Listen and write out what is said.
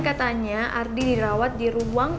katanya ardi dirawat di ruang